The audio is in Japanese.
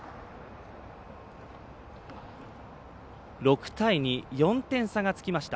６対２、４点差がつきました。